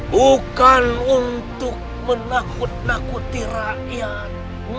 bukan untuk menakut nakuti rakyat